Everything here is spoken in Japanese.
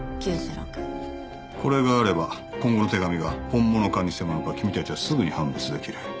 これがあれば今後の手紙が本物か偽物か君たちはすぐに判別できる。